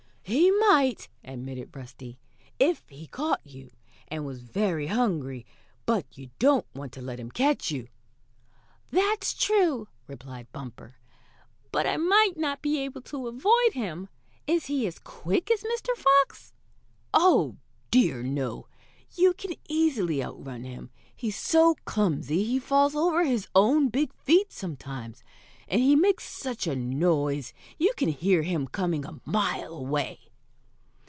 "He might," admitted Rusty, "if he caught you, and was very hungry, but you don't want to let him catch you." "That's true," replied Bumper, "but I might not be able to avoid him. Is he as quick as Mr. Fox?" "Oh, dear, no! You can easily outrun him. He's so clumsy he falls over his own big feet sometimes, and he makes such a noise you can hear him coming a mile away."